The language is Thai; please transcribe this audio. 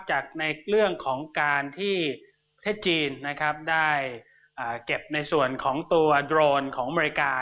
ในเรื่องของการที่ประเทศจีนนะครับได้เก็บในส่วนของตัวโดรนของอเมริกา